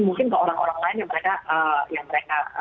mungkin ke orang orang lain yang mereka